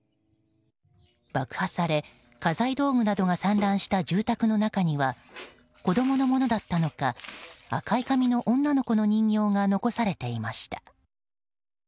爆破され、家財道具などが散乱した住宅の中には子供のものだったのか赤い髪の女の子の人形が残されていました。